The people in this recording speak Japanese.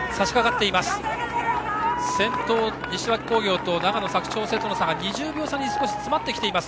先頭、西脇工業と長野・佐久長聖との差が２０秒に詰まってきています。